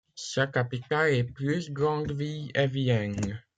Sa capitale et plus grande ville est Vienne.